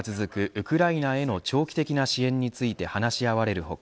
ウクライナへの長期的な支援について話し合われる他